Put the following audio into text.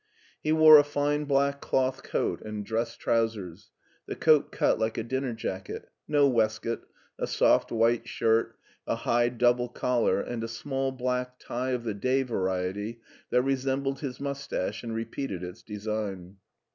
He wore a fine Uack doth coat and dress trousers, the coat cut like a dinner jacket, no waistcoat, a soft white shirt, a high double collar, and a small black tie of the day variety that resembled his mustache and repeated its design.